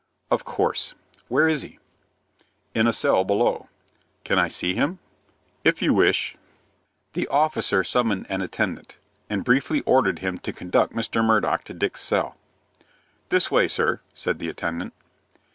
"Of course. Where is he?" "In a cell below." "Can I see him?" "If you wish." The officer summoned an attendant, and briefly ordered him to conduct Mr. Murdock to Dick's cell. "This way, sir," said the attendant.